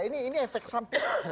ini efek samping